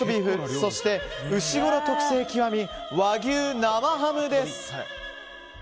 そして、うしごろ特製“極”和牛生ハムです。